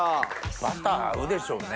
バター合うでしょうね。